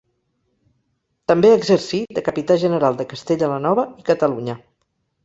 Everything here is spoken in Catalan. També exercí de Capità General de Castella la Nova i Catalunya.